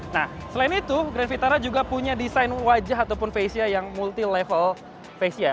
nah selain itu grand vitara juga punya desain wajah ataupun facia yang multi level facia